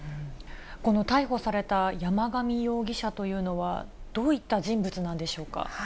この逮捕された山上容疑者というのは、どういった人物なんでしょうか。